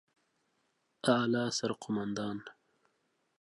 اعلى سرقومندان